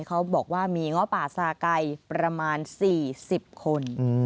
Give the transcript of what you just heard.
เขาบอกว่ามีง้อป่าซาไก่ประมาณ๔๐คน